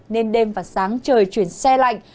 nên đêm và sáng trời chuyển xe lạnh